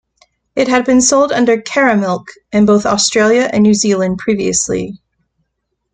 It had been sold under 'Caramilk' in both Australia and New Zealand previously.